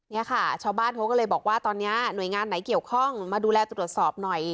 เนี่ยค่ะชาวบ้านเขาก็เลยบอกว่าตอนนี้หน่วยงานไหนเกี่ยวข้องมาดูแลตรวจสอบหน่อย